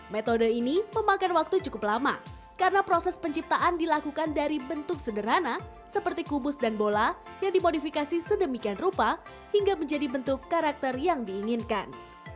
metode ini memakan waktu cukup lama karena proses penciptaan dilakukan dari bentuk sederhana seperti kubus dan bola yang dimodifikasi sedemikian rupa hingga menjadi bentuk karakter yang diinginkan